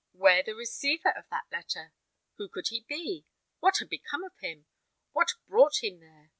Where the receiver of that letter? Who could he be? What had become of him? What brought him there?